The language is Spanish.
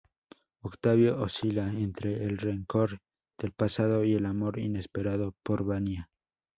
Octavio oscila entre el rencor del pasado y el amor inesperado por Vania.